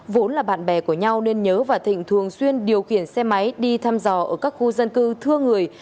vốn là bạn bè của nhau nên nhớ và thịnh thường xuyên điều khiển xe máy đi thăm dò ở các khu dân cư thưa người